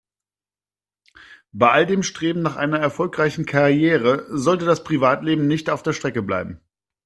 Bei all dem Streben nach einer erfolgreichen Karriere sollte das Privatleben nicht auf der Strecke bleiben.